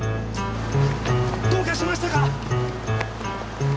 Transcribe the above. どうかしましたか！？